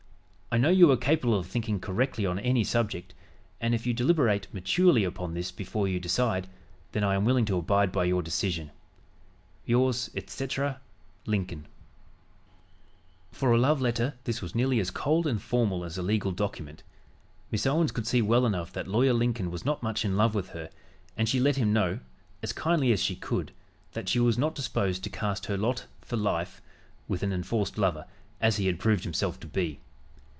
I know you are capable of thinking correctly on any subject, and if you deliberate maturely upon this before you decide, then I am willing to abide by your decision. "Yours, etc., "LINCOLN." For a love letter this was nearly as cold and formal as a legal document. Miss Owens could see well enough that Lawyer Lincoln was not much in love with her, and she let him know, as kindly as she could, that she was not disposed to cast her lot for life with an enforced lover, as he had proved himself to be.